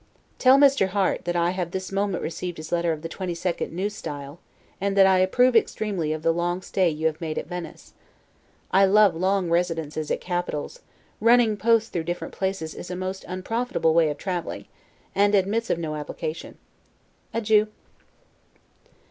] Tell Mr. Harte that I have this moment received his letter of the 22d, N. S., and that I approve extremely of the long stay you have made at Venice. I love long residences at capitals; running post through different places is a most unprofitable way of traveling, and admits of no application. Adieu.